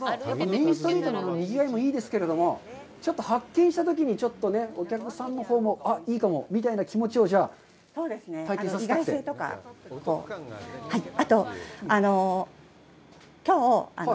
メインストリートのにぎわいもいいですけど、ちょっと発見したときにお客さんのほうも、あっ、いいかもみたいな気持ちを体験させたくて？